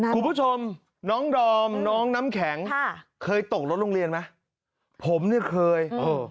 คุณผู้ชมน้องดอมน้องน้ำแข็งค่ะเคยตกรถโรงเรียนไหมผมเนี่ยเคยเออ